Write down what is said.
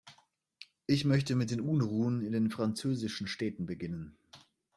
Ich möchte mit den Unruhen in den französischen Städten beginnen.